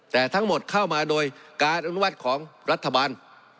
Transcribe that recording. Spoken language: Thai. แต่ทั้งหมดเข้ามาโดยการอนุมัติของรัฐบาล